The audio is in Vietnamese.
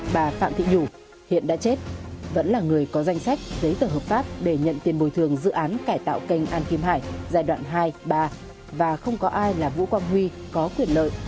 bà phạm thị nhũ hiện đã chết vẫn là người có danh sách giấy tờ hợp pháp để nhận tiền bồi thư